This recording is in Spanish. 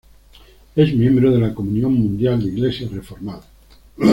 Es miembro de la Comunión Mundial de Iglesias Reformadas.